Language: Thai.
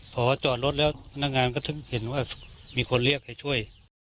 พอจอดรถแล้วพนักงานก็ถึงเห็นว่ามีคนเรียกให้ช่วย